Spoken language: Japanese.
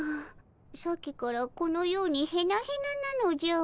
さっきからこのようにヘナヘナなのじゃ。